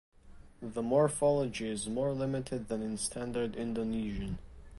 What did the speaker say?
The morphology is more limited than in standard Indonesian.